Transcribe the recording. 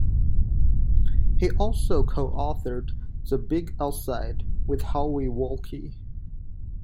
He also co-authored "The Big Outside" with Howie Wolke.